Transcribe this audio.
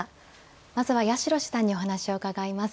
まずは八代七段にお話を伺います。